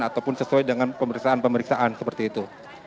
ataupun sesuai dengan pemeriksaan pemeriksaan seperti itu